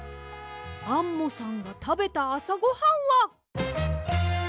アンモさんがたべたあさごはんは。